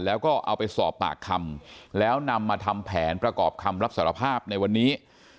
แล้วก็เอาไปสอบปากคำแล้วนำมาทำแผนประกอบคำรับสารภาพในวันนี้